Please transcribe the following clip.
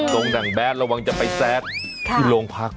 หนังแดดระวังจะไปแซกที่โรงพัก